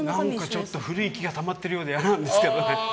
ちょっと古い気がたまってるようで嫌なんですけど。